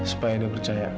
supaya dia percaya